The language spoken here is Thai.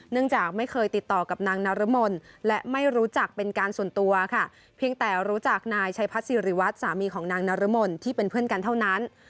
จากไม่เคยติดต่อกับนางนรมนและไม่รู้จักเป็นการส่วนตัวค่ะเพียงแต่รู้จักนายชัยพัฒนศิริวัตรสามีของนางนรมนที่เป็นเพื่อนกันเท่านั้น